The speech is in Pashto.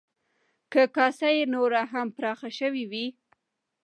که کاسه یې نوره هم پراخه شوې وی،